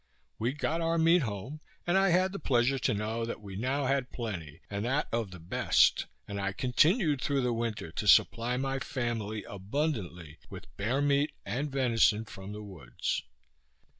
We got our meat home, and I had the pleasure to know that we now had plenty, and that of the best; and I continued through the winter to supply my family abundantly with bear meat and venison from the woods.